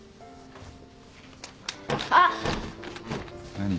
何？